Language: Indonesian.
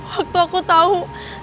waktu aku tau